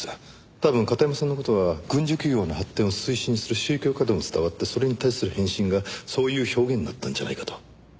多分片山さんの事は軍需企業の発展を推進する宗教家とでも伝わってそれに対する返信がそういう表現だったんじゃないかと。